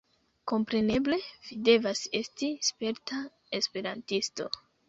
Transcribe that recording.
Kompreneble, vi devas esti sperta esperantisto